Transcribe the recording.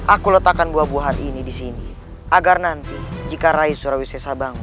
aku letakkan buah buahan ini di sini agar nanti jika rai surawisessa bangun